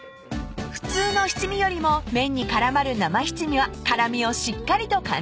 ［普通の七味よりも麺に絡まる生七味は辛味をしっかりと感じられるそう］